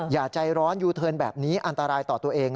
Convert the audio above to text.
อย่าใจร้อนยูเทิร์นแบบนี้อันตรายต่อตัวเอง